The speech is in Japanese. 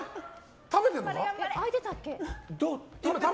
食べてるのか？